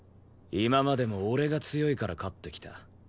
今までも俺が強いから勝ってきた。